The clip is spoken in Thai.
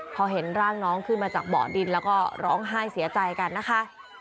พอเห็นร่างน้องขึ้นมาจากเบาะดินแล้วก็ร้องไห้เสียใจกันนะคะ